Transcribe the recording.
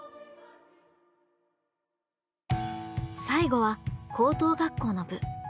最後は高等学校の部。